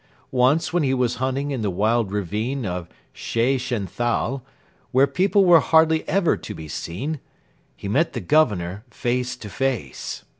Once when he was hunting in the wild ravine of Schächenthal, where men were hardly ever to be seen, he met the Governor face to face.